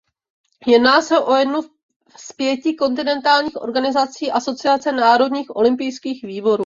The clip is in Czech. Jedná se o jednu z pěti kontinentálních organizací Asociace národních olympijských výborů.